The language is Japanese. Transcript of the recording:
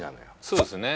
そうですね